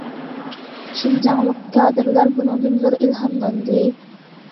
شىنجاڭلىق كادىرلار بۇنىڭدىن زور ئىلھاملاندى.